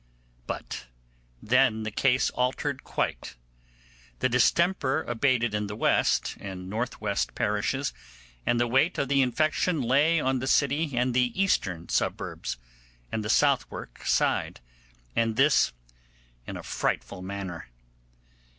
But then the case altered quite; the distemper abated in the west and north west parishes, and the weight of the infection lay on the city and the eastern suburbs, and the Southwark side, and this in a frightful manner.